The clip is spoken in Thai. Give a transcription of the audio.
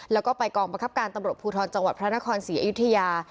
แล้วก็ไปกองบังคับการตำรวจภูทรจังหวัดพระนครศรีอยุธยา